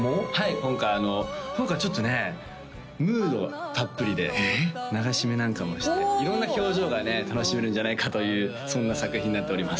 今回今回ちょっとねムードたっぷりで流し目なんかもして色んな表情がね楽しめるんじゃないかというそんな作品になっております